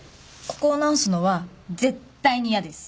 ここを直すのは絶対に嫌です。